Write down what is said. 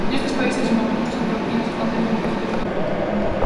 Nestes países os movementos antivacinas están tendo moito predicamento.